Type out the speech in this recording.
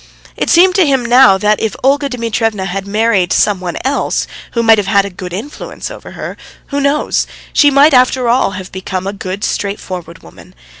It seemed to him now that if Olga Dmitrievna had married some one else who might have had a good influence over her who knows? she might after all have become a good, straightforward woman.